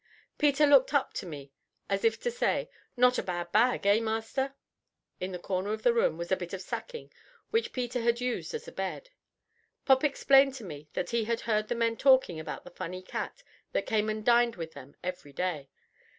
Peter looked up to me as if to say: "Not a bad bag eh, master?" In the corner of the room was a bit of sacking which Peter had used as a bed. Pop explained to me that he had heard the men talking about the funny cat that came and dined with them every day.